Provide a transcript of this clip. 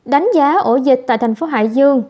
đánh giá ổ dịch tại thành phố hải dương